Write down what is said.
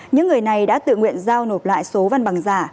những người này đã tự nguyện giao nộp lại số văn bằng giả